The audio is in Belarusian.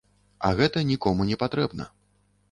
А гэта нікому не патрэбна.